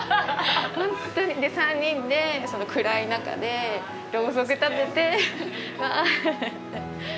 で３人でその暗い中でろうそく立てて。